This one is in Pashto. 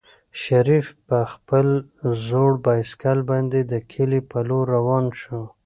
شریف په خپل زوړ بایسکل باندې د کلي په لور روان شو.